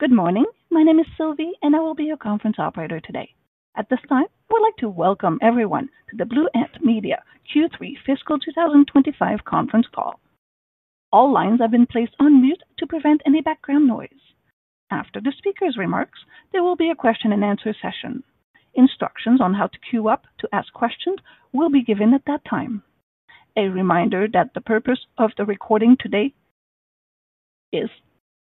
Good morning. My name is Sylvie, and I will be your conference operator today. At this time, we'd like to welcome everyone to the Blue Ant Media Q3 Fiscal 2025 conference call. All lines have been placed on mute to prevent any background noise. After the speaker's remarks, there will be a question and answer session. Instructions on how to queue up to ask questions will be given at that time. A reminder that the purpose of the recording today is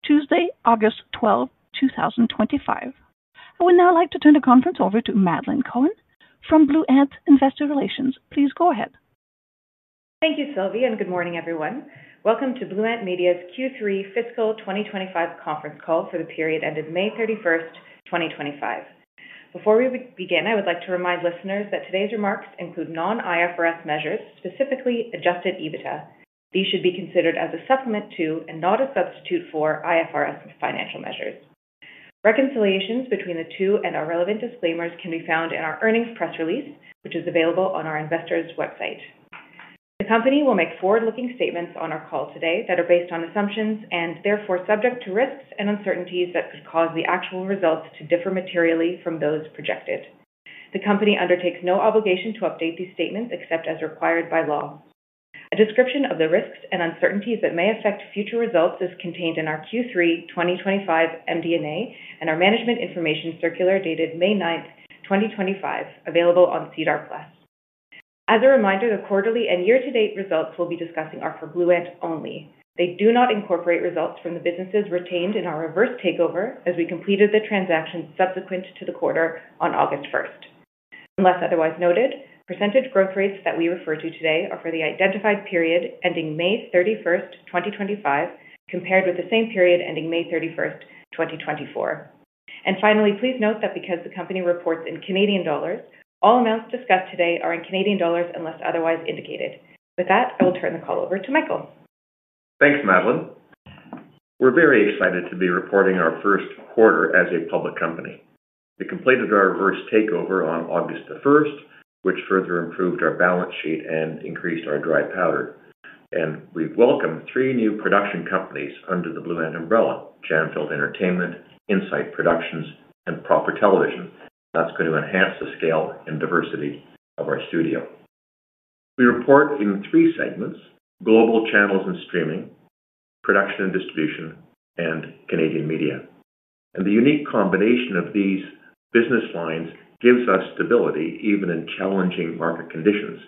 Tuesday, August 12, 2025. I would now like to turn the conference over to Madeleine Cohen from Blue Ant Media Investor Relations. Please go ahead. Thank you, Sylvie, and good morning, everyone. Welcome to Blue Ant Media's Q3 Fiscal 2025 conference call for the period ended May 31st, 2025. Before we begin, I would like to remind listeners that today's remarks include non-IFRS measures, specifically adjusted EBITDA. These should be considered as a supplement to, and not a substitute for, IFRS financial measures. Reconciliations between the two and our relevant disclaimers can be found in our earnings press release, which is available on our investors' website. The company will make forward-looking statements on our call today that are based on assumptions and therefore subject to risks and uncertainties that could cause the actual results to differ materially from those projected. The company undertakes no obligation to update these statements except as required by law. A description of the risks and uncertainties that may affect future results is contained in our Q3 2025 MD&A and our Management Information Circular dated May 9th, 2025, available on SEDAR+. As a reminder, the quarterly and year-to-date results we will be discussing are for Blue Ant only. They do not incorporate results from the businesses retained in our reverse takeover as we completed the transaction subsequent to the quarter on August 1st. Unless otherwise noted, percentage growth rates that we refer to today are for the identified period ending May 31st, 2025, compared with the same period ending May 31st, 2024. Please note that because the company reports in Canadian dollars, all amounts discussed today are in Canadian dollars unless otherwise indicated. With that, I will turn the call over to Michael. Thanks, Madeleine. We're very excited to be reporting our first quarter as a public company. We completed our reverse takeover on August 1st, which further improved our balance sheet and increased our dry powder. We welcome three new production companies under the Blue Ant umbrella: Jam Filled Entertainment, Insight Productions, and Proper Television. That's going to enhance the scale and diversity of our studio. We report in three segments: Global Channels & Streaming, Production and Distribution, and Canadian Media. The unique combination of these business lines gives us stability even in challenging market conditions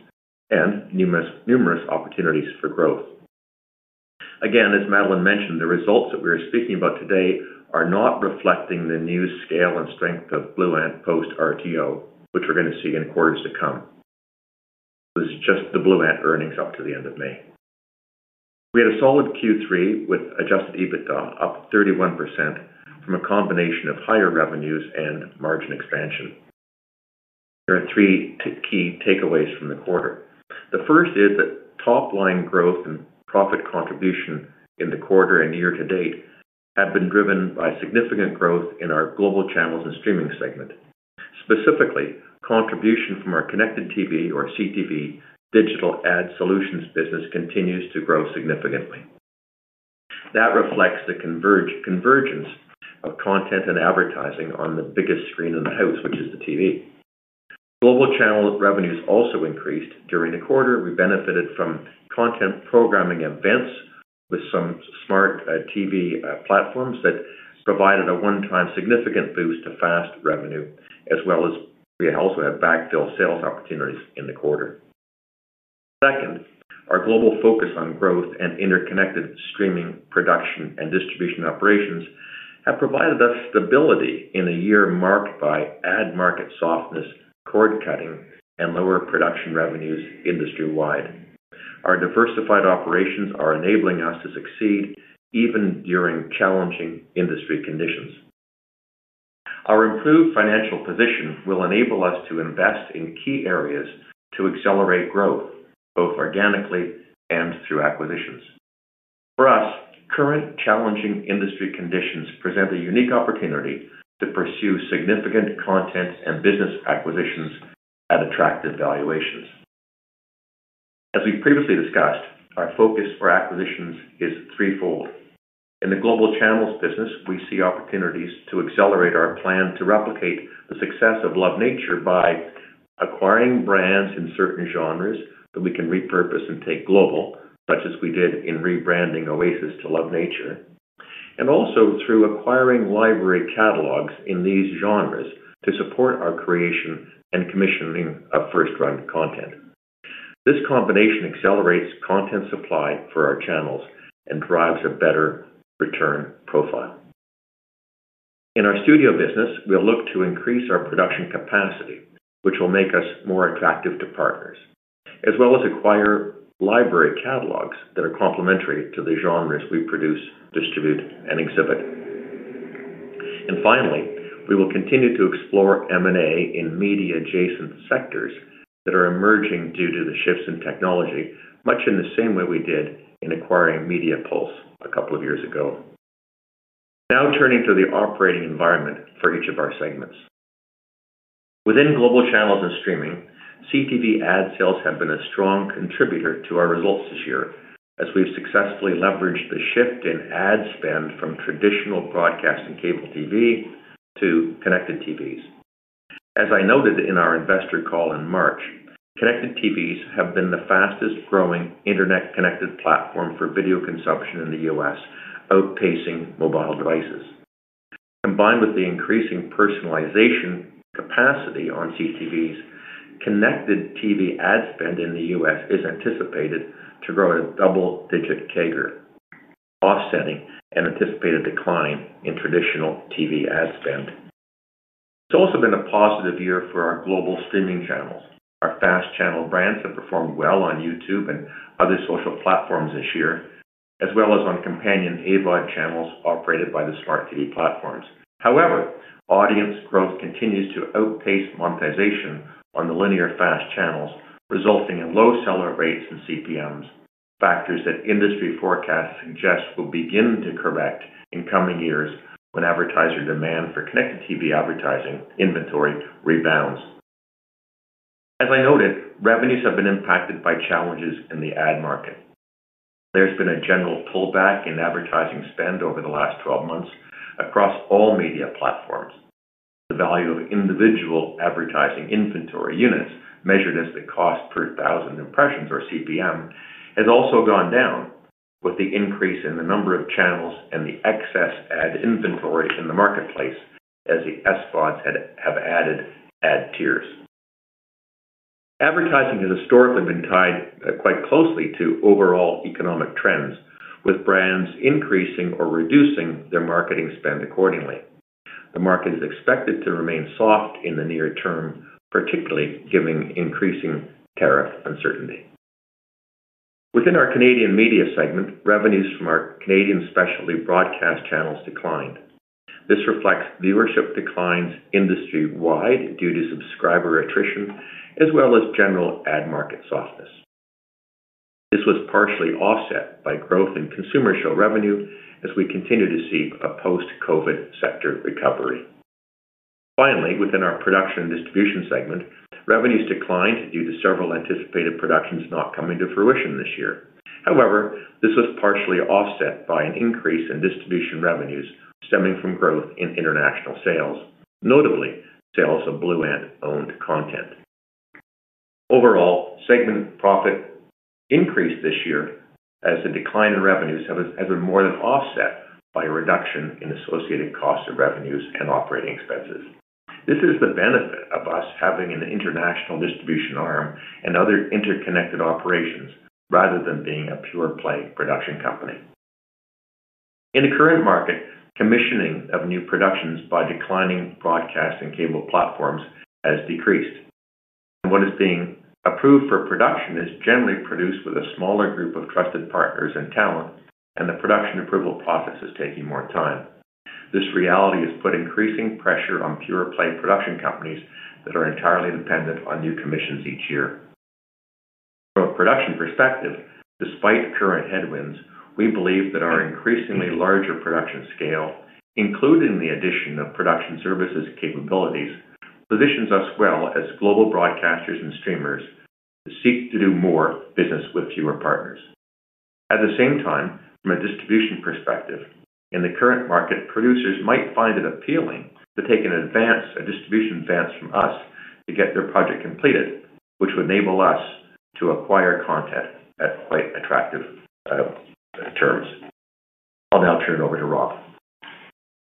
and numerous opportunities for growth. As Madeleine mentioned, the results that we're speaking about today are not reflecting the new scale and strength of Blue Ant post-RTO, which we're going to see in quarters to come. This is just the Blue Ant earnings up to the end of May. We had a solid Q3 with adjusted EBITDA up 31% from a combination of higher revenues and margin expansion. There are three key takeaways from the quarter. The first is that top-line growth and profit contribution in the quarter and year to date have been driven by significant growth in our Global Channels & Streaming segment. Specifically, contribution from our Connected TV or CTV, digital ad solutions business continues to grow significantly. That reflects the convergence of content and advertising on the biggest screen in the house, which is the TV. Global channel revenues also increased during the quarter. We benefited from content programming events with some smart TV platforms that provided a one-time significant boost to FAST revenue, as well as we also had backfill sales opportunities in the quarter. Second, our global focus on growth and interconnected streaming production and distribution operations have provided us stability in a year marked by ad market softness, cord cutting, and lower production revenues industry-wide. Our diversified operations are enabling us to succeed even during challenging industry conditions. Our improved financial position will enable us to invest in key areas to accelerate growth, both organically and through acquisitions. For us, current challenging industry conditions present a unique opportunity to pursue significant content and business acquisitions at attractive valuations. As we've previously discussed, our focus for acquisitions is threefold. In the global channels business, we see opportunities to accelerate our plan to replicate the success of Love Nature by acquiring brands in certain genres that we can repurpose and take global, such as we did in rebranding Oasis to Love Nature, and also through acquiring library catalogs in these genres to support our creation and commissioning of first-run content. This combination accelerates content supply for our channels and drives a better return profile. In our studio business, we'll look to increase our production capacity, which will make us more attractive to partners, as well as acquire library catalogs that are complementary to the genres we produce, distribute, and exhibit. Finally, we will continue to explore M&A in media-adjacent sectors that are emerging due to the shifts in technology, much in the same way we did in acquiring Media Pulse a couple of years ago. Now turning to the operating environment for each of our segments. Within Global Channels & Streaming, CTV ad sales have been a strong contributor to our results this year, as we've successfully leveraged the shift in ad spend from traditional broadcast and cable TV to Connected TVs. As I noted in our investor call in March, Connected TVs have been the fastest growing internet-connected platform for video consumption in the U.S., outpacing mobile devices. Combined with the increasing personalization capacity on CTVs, Connected TV ad spend in the U.S. is anticipated to grow at a double-digit CAGR, offsetting an anticipated decline in traditional TV ad spend. It's also been a positive year for our global streaming channels. Our fast-channel brands have performed well on YouTube and other social platforms this year, as well as on companion AVOD channels operated by the Smart TV platforms. However, audience growth continues to outpace monetization on the linear fast channels, resulting in low seller rates and CPMs, factors that industry forecasts suggest will begin to correct in coming years when advertiser demand for Connected TV advertising inventory rebounds. As I noted, revenues have been impacted by challenges in the ad market. There's been a general pullback in advertising spend over the last 12 months across all media platforms. The value of individual advertising inventory units, measured as the cost per thousand impressions, or CPM, has also gone down with the increase in the number of channels and the excess ad inventory in the marketplace as the SVODs have added ad tiers. Advertising has historically been tied quite closely to overall economic trends, with brands increasing or reducing their marketing spend accordingly. The market is expected to remain soft in the near term, particularly given increasing tariff uncertainty. Within our Canadian Media segment, revenues from our Canadian specialty broadcast channels declined. This reflects viewership declines industry-wide due to subscriber attrition, as well as general ad market softness. This was partially offset by growth in consumer show revenue as we continue to see a post-COVID sector recovery. Finally, within our Production and Distribution segment, revenues declined due to several anticipated productions not coming to fruition this year. However, this was partially offset by an increase in distribution revenues stemming from growth in international sales, notably sales of Blue Ant-owned content. Overall, segment profit increased this year as the decline in revenues has been more than offset by a reduction in associated costs of revenues and operating expenses. This is the benefit of us having an international distribution arm and other interconnected operations rather than being a pure-play production company. In the current market, commissioning of new productions by declining broadcast and cable platforms has decreased. What is being approved for production is generally produced with a smaller group of trusted partners and talent, and the production approval process is taking more time. This reality has put increasing pressure on pure-play production companies that are entirely dependent on new commissions each year. From a production perspective, despite current headwinds, we believe that our increasingly larger production scale, including the addition of production services capabilities, positions us well as global broadcasters and streamers that seek to do more business with fewer partners. At the same time, from a distribution perspective, in the current market, producers might find it appealing to take an advance, a distribution advance from us to get their project completed, which would enable us to acquire content at quite attractive terms. I'll now turn it over to Robbb.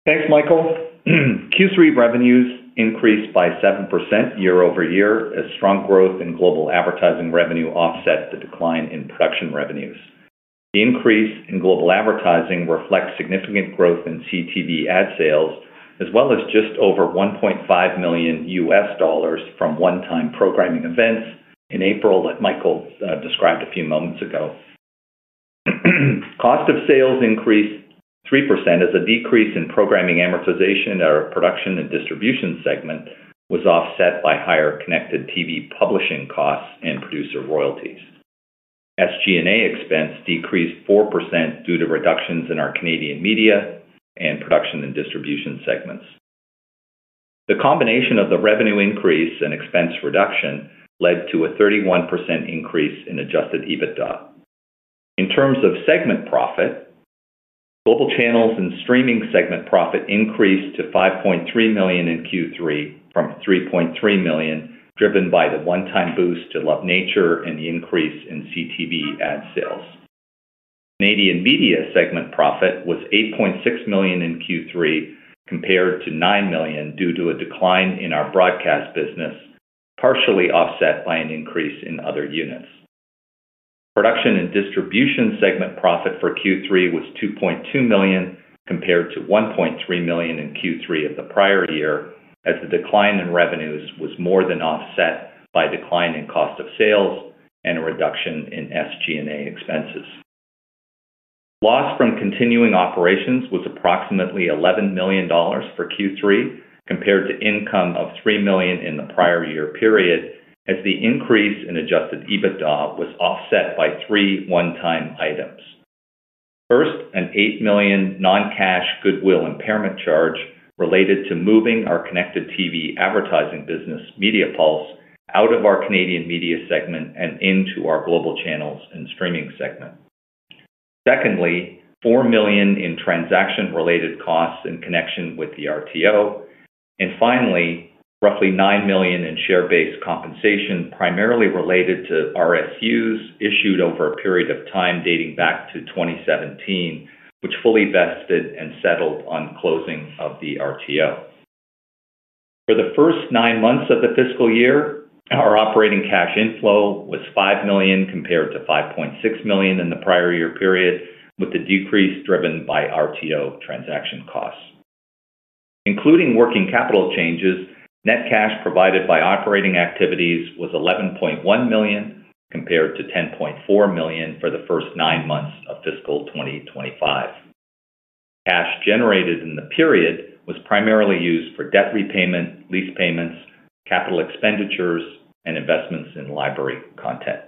Thanks, Michael. Q3 revenues increased by 7% year-over-year as strong growth in global advertising revenue offsets the decline in production revenues. The increase in global advertising reflects significant growth in CTV ad sales, as well as just over 1.5 million U.S. dollars from one-time programming events in April that Michael described a few moments ago. Cost of sales increased 3% as a decrease in programming amortization in our production and distribution segment was offset by higher Connected TV publishing costs and producer royalties. SG&A expense decreased 4% due to reductions in our Canadian media and production and distribution segments. The combination of the revenue increase and expense reduction led to a 31% increase in adjusted EBITDA. In terms of segment profit, Global Channels & Streaming segment profit increased to 5.3 million in Q3 from 3.3 million, driven by the one-time boost to Love Nature and the increase in CTV ad sales. Canadian Media segment profit was 8.6 million in Q3, compared to 9 million due to a decline in our broadcast business, partially offset by an increase in other units. Production and distribution segment profit for Q3 was 2.2 million, compared to 1.3 million in Q3 of the prior year, as the decline in revenues was more than offset by a decline in cost of sales and a reduction in SG&A expenses. Loss from continuing operations was approximately 11 million dollars for Q3, compared to income of 3 million in the prior year period, as the increase in adjusted EBITDA was offset by three one-time items. First, an 8 million non-cash goodwill impairment charge related to moving our Connected TV advertising business, Media Pulse, out of our Canadian Media segment and into our Global Channels & Streaming segment. Secondly, 4 million in transaction-related costs in connection with the RTO. Finally, roughly 9 million in share-based compensation, primarily related to RSUs issued over a period of time dating back to 2017, which fully vested and settled on closing of the RTO. For the first nine months of the fiscal year, our operating cash inflow was 5 million compared to 5.6 million in the prior year period, with the decrease driven by RTO transaction costs. Including working capital changes, net cash provided by operating activities was 11.1 million compared to 10.4 million for the first nine months of fiscal 2025. Cash generated in the period was primarily used for debt repayment, lease payments, capital expenditures, and investments in library content.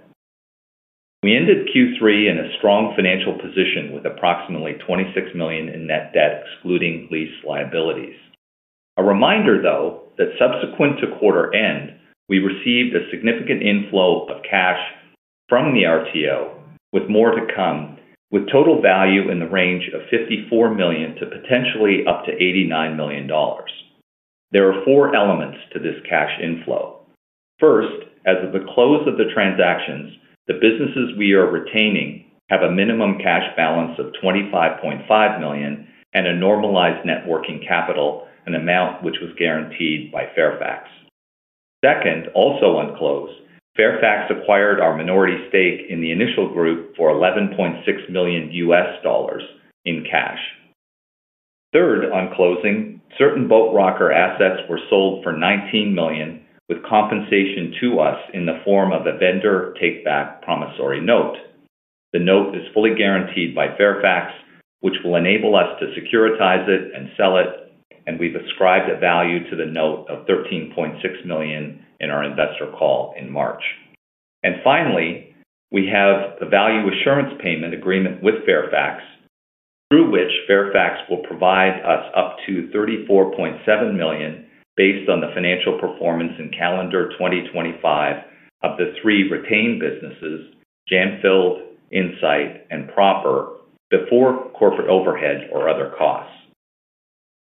We ended Q3 in a strong financial position with approximately 26 million in net debt, excluding lease liabilities. A reminder, though, that subsequent to quarter end, we received a significant inflow of cash from the RTO, with more to come, with total value in the range of 54 million to potentially up to 89 million dollars. There are four elements to this cash inflow. First, as of the close of the transactions, the businesses we are retaining have a minimum cash balance of 25.5 million and a normalized net working capital, an amount which was guaranteed by Fairfax. Second, also on close, Fairfax acquired our minority stake in the initial group for 11.6 million U.S. dollars in cash. Third, on closing, certain Boat Rocker assets were sold for 19 million, with compensation to us in the form of a vendor take-back promissory note. The note is fully guaranteed by Fairfax, which will enable us to securitize it and sell it, and we've ascribed a value to the note of 13.6 million in our investor call in March. Finally, we have the value assurance payment agreement with Fairfax, through which Fairfax will provide us up to 34.7 million based on the financial performance in calendar 2025 of the three retained businesses, Jam Filled Entertainment, Insight, and Proper, before corporate overhead or other costs.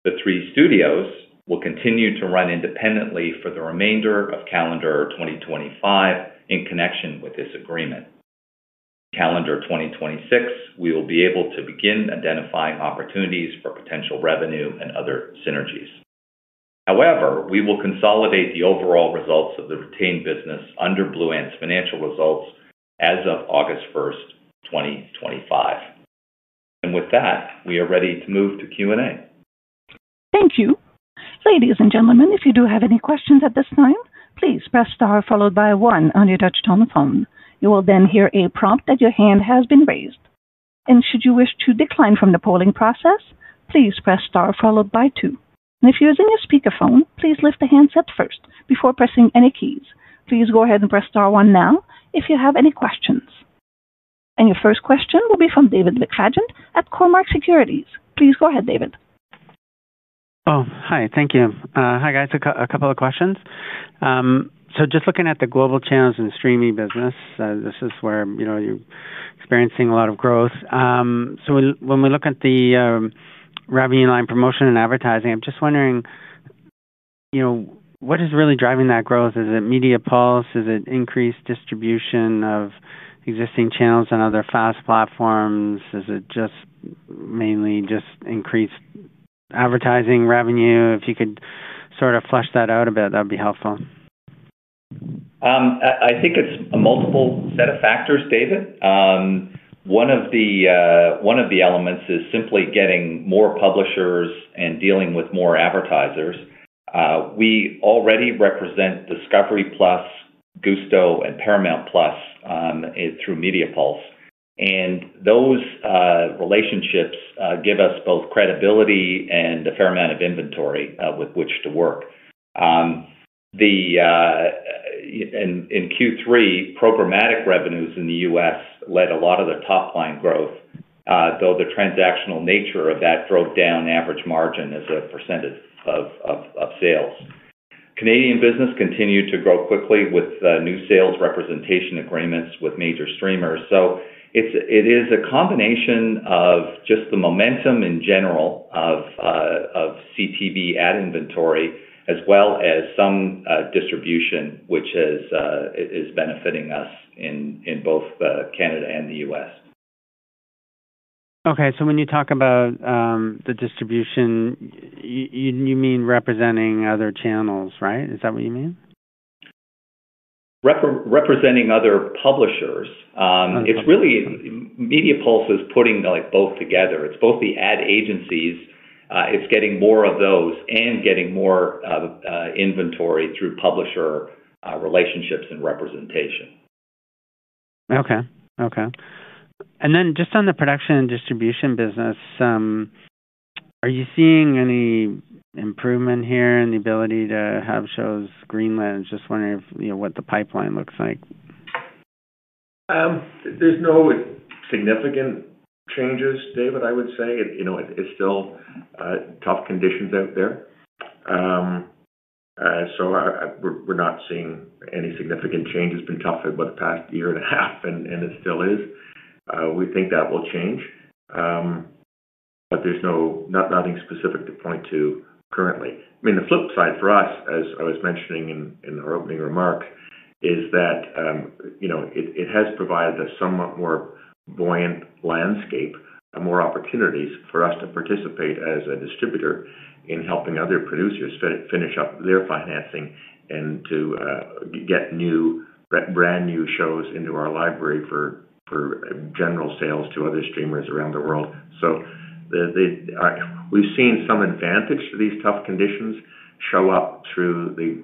The three studios will continue to run independently for the remainder of calendar 2025 in connection with this agreement. In calendar 2026, we will be able to begin identifying opportunities for potential revenue and other synergies. However, we will consolidate the overall results of the retained business under Blue Ant's financial results as of August 1st, 2025. With that, we are ready to move to Q&A. Thank you. Ladies and gentlemen, if you do have any questions at this time, please press star followed by one on your touch telephone. You will then hear a prompt that your hand has been raised. Should you wish to decline from the polling process, please press star followed by two. If you're using a speakerphone, please lift the handset first before pressing any keys. Please go ahead and press star one now if you have any questions. Your first question will be from David McFadgen at Cormark Securities. Please go ahead, David. Thank you. Hi, guys. A couple of questions. Just looking at the Global Channels & Streaming business, this is where you're experiencing a lot of growth. When we look at the revenue line promotion and advertising, I'm just wondering, you know, what is really driving that growth? Is it Media Pulse? Is it increased distribution of existing channels and other FAST platforms? Is it mainly just increased advertising revenue? If you could sort of flesh that out a bit, that would be helpful. I think it's a multiple set of factors, David. One of the elements is simply getting more publishers and dealing with more advertisers. We already represent Discovery+, Gusto, and Paramount+ through Media Pulse. Those relationships give us both credibility and a fair amount of inventory with which to work. In Q3, programmatic revenues in the U.S. led a lot of the top-line growth, though the transactional nature of that drove down average margin as a percentage of sales. The Canadian business continued to grow quickly with new sales representation agreements with major streamers. It is a combination of just the momentum in general of CTV ad inventory, as well as some distribution, which is benefiting us in both Canada and the U.S. Okay, when you talk about the distribution, you mean representing other channels, right? Is that what you mean? Representing other publishers. It's really, Media Pulse is putting both together. It's both the ad agencies. It's getting more of those and getting more inventory through publisher relationships and representation. Okay. On the production and distribution business, are you seeing any improvement here in the ability to have shows screened? I was just wondering what the pipeline looks like. There's no significant changes, David, I would say. It's still tough conditions out there. We're not seeing any significant changes. It's been tough for the past year and a half, and it still is. We think that will change. There's nothing specific to point to currently. The flip side for us, as I was mentioning in our opening remark, is that it has provided a somewhat more buoyant landscape and more opportunities for us to participate as a distributor in helping other producers finish up their financing and to get new, brand new shows into our library for general sales to other streamers around the world. We've seen some advantage to these tough conditions show up through the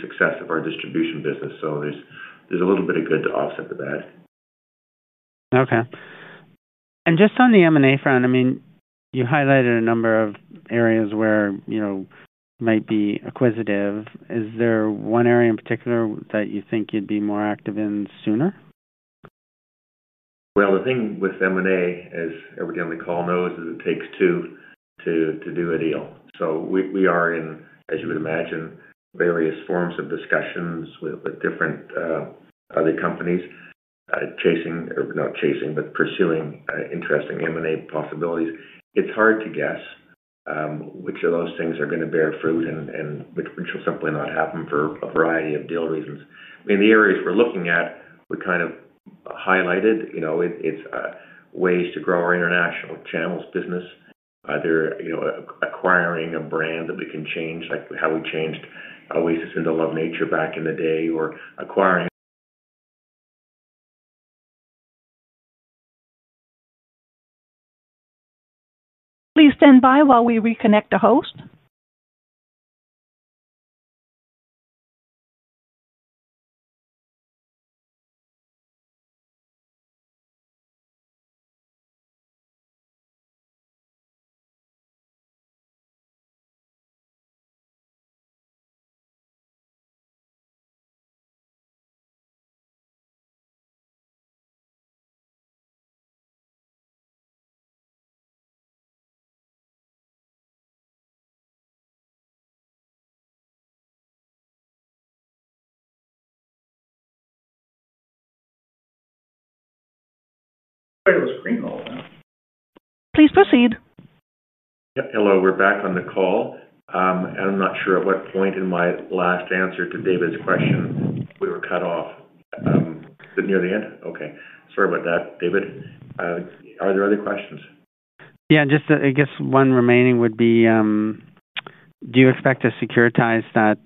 success of our distribution business. There's a little bit of good to offset the bad. Okay. Just on the M&A front, you highlighted a number of areas where you might be acquisitive. Is there one area in particular that you think you'd be more active in sooner? The thing with M&A, as everybody on the call knows, is it takes two to do a deal. We are in, as you would imagine, various forms of discussions with different other companies pursuing interesting M&A possibilities. It's hard to guess which of those things are going to bear fruit and which will simply not happen for a variety of deal reasons. The areas we're looking at, we kind of highlighted, you know, it's ways to grow our international channels business, either acquiring a brand that we can change, like how we changed Oasis into Love Nature back in the day, or acquiring. Please stand by while we reconnect the host. I think it was Greenwald, though. Please proceed. Hello. We're back on the call. I'm not sure at what point in my last answer to David's question we were cut off. Near the end? Okay. Sorry about that, David. Are there other questions? Yeah, I guess one remaining would be, do you expect to securitize that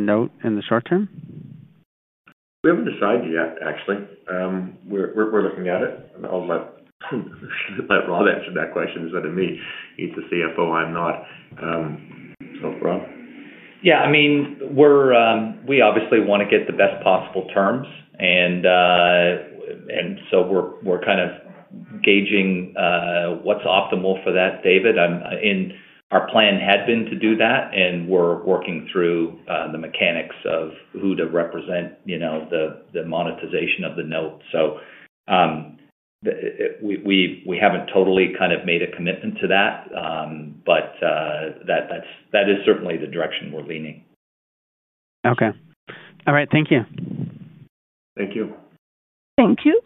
note in the short term? We haven't decided yet, actually. We're looking at it. I'll let Robbb answer that question. He's the CFO, I'm not. Robbb? Yeah, I mean, we obviously want to get the best possible terms, and we're kind of gauging what's optimal for that, David. Our plan had been to do that, and we're working through the mechanics of who to represent, you know, the monetization of the note. We haven't totally kind of made a commitment to that, but that is certainly the direction we're leaning. All right, thank you. Thank you. Thank you.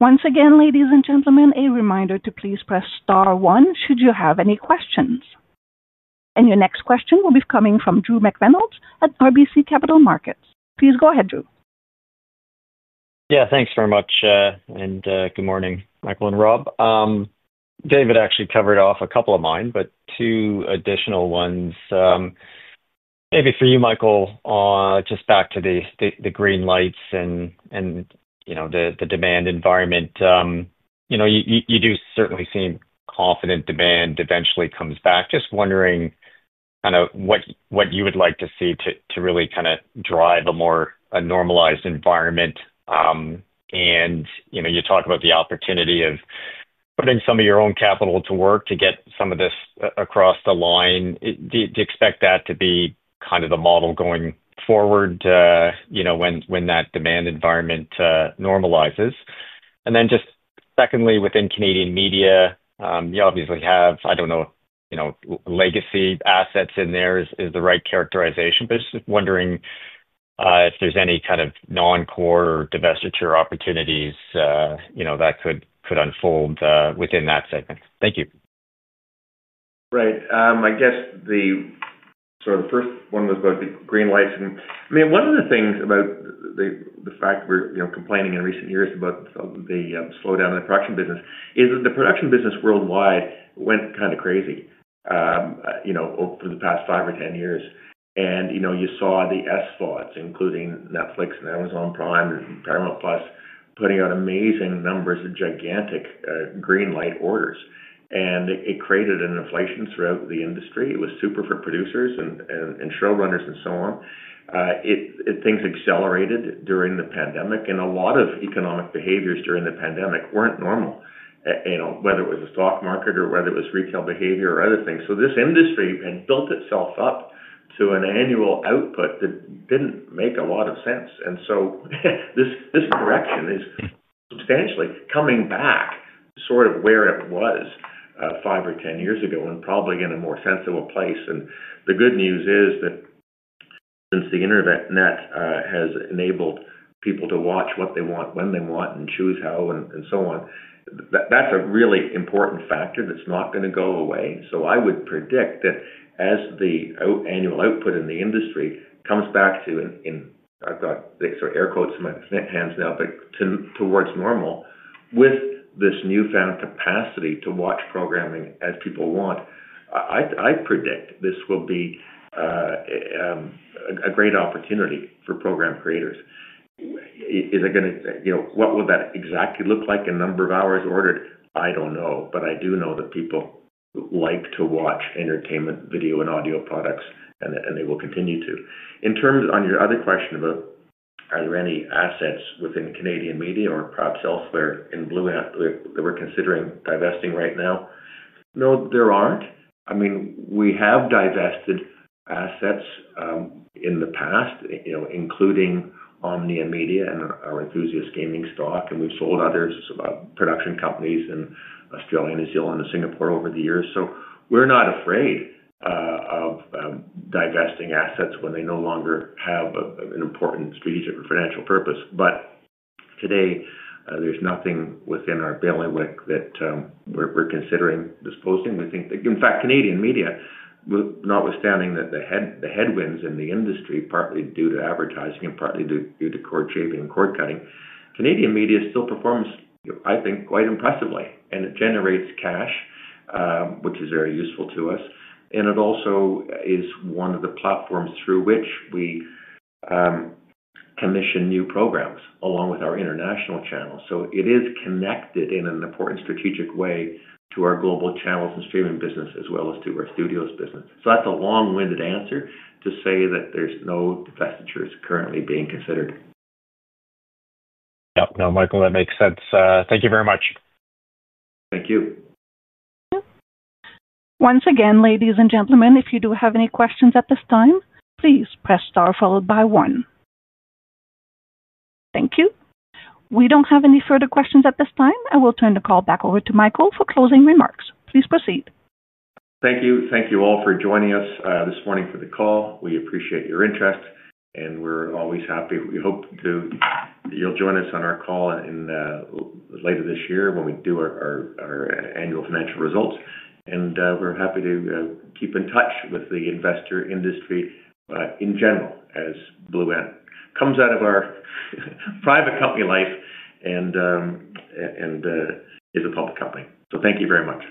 Once again, ladies and gentlemen, a reminder to please press star one should you have any questions. Your next question will be coming from Drew McReynolds at RBC Capital Markets. Please go ahead, Drew. Yeah, thanks very much. Good morning, Michael and Robb. David actually covered off a couple of mine, but two additional ones. Maybe for you, Michael, just back to the green lights and the demand environment. You do certainly seem confident demand eventually comes back. Just wondering what you would like to see to really drive a more normalized environment. You talk about the opportunity of putting some of your own capital to work to get some of this across the line. Do you expect that to be the model going forward when that demand environment normalizes? Secondly, within Canadian Media, you obviously have, I don't know, legacy assets in there is the right characterization. I'm just wondering if there's any kind of non-core or divestiture opportunities that could unfold within that segment. Thank you. Right. I guess the sort of the first one was about the green lights. One of the things about the fact that we're complaining in recent years about the slowdown in the production business is that the production business worldwide went kind of crazy over the past five or ten years. You saw the SVODs, including Netflix and Amazon Prime and Paramount+, putting out amazing numbers of gigantic green light orders. It created an inflation throughout the industry. It was super for producers and showrunners and so on. Things accelerated during the pandemic, and a lot of economic behaviors during the pandemic weren't normal, whether it was the stock market or whether it was retail behavior or other things. This industry had built itself up to an annual output that didn't make a lot of sense. This direction is substantially coming back to sort of where it was five or ten years ago and probably in a more sensible place. The good news is that since the internet has enabled people to watch what they want, when they want, and choose how, that's a really important factor that's not going to go away. I would predict that as the annual output in the industry comes back to, and I've got sort of air quotes in my hands now, but towards normal, with this newfound capacity to watch programming as people want, I predict this will be a great opportunity for program creators. Is it going to, you know, what will that exactly look like in the number of hours ordered? I don't know, but I do know that people like to watch entertainment video and audio products, and they will continue to. In terms of your other question about are there any assets within Canadian Media or perhaps elsewhere in Blue Ant that we're considering divesting right now? No, there aren't. We have divested assets in the past, including Omnia Media and our Enthusiast Gaming stock, and we've sold others to production companies in Australia, New Zealand, and Singapore over the years. We're not afraid of divesting assets when they no longer have an important strategic or financial purpose. Today, there's nothing within our bailiwick that we're considering disposing. We think that, in fact, Canadian Media, notwithstanding the headwinds in the industry, partly due to advertising and partly due to cord shaving and cord cutting, Canadian Media still performs, I think, quite impressively. It generates cash, which is very useful to us. It also is one of the platforms through which we commission new programs along with our international channels. It is connected in an important strategic way to our Global Channels & Streaming business, as well as to our studios business. That's a long-winded answer to say that there's no divestitures currently being considered. Yep. No, Michael, that makes sense. Thank you very much. Thank you. Once again, ladies and gentlemen, if you do have any questions at this time, please press star followed by one. Thank you. We don't have any further questions at this time. I will turn the call back over to Michael for closing remarks. Please proceed. Thank you. Thank you all for joining us this morning for the call. We appreciate your interest, and we're always happy. We hope you'll join us on our call later this year when we do our annual financial results. We're happy to keep in touch with the investor industry in general, as Blue Ant comes out of our private company life and is a public company. Thank you very much.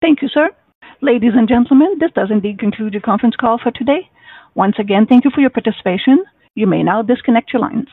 Thank you, sir. Ladies and gentlemen, this does indeed conclude the conference call for today. Once again, thank you for your participation. You may now disconnect your lines.